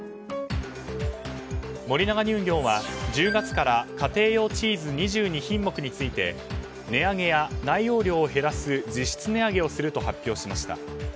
森永乳業は、１０月から家庭用チーズ２２品目について値上げや、内容量を減らす実質値上げをすると発表しました。